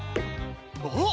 あっ！